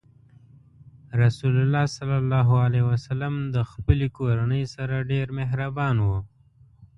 رسول الله ﷺ د خپلې کورنۍ سره ډېر مهربان و.